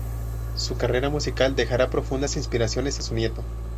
Su carrera musical dejará profundas inspiraciones a su nieto.